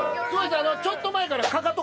ちょっと前からかかと。